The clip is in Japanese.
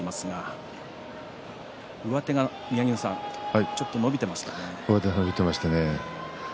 上手が上手が伸びていましたね。